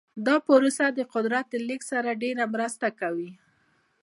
دا پروسه د قدرت د لیږد سره ډیره مرسته کوي.